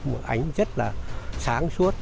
một ảnh rất là sáng suốt